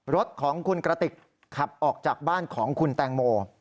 รถของคุณกระติกขับออกจากบ้านของคุณแตงโม